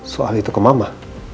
soal itu ke mama